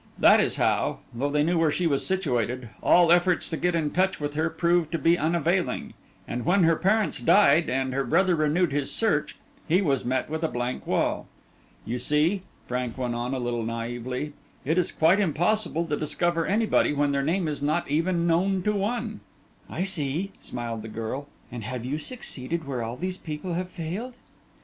That is how, though they knew where she was situated, all efforts to get in touch with her proved to be unavailing; and when her parents died, and her brother renewed his search, he was met with a blank wall. You see," Frank went on, a little naïvely, "it is quite impossible to discover anybody when their name is not even known to one." "I see," smiled the girl; "and have you succeeded where all these people have failed?"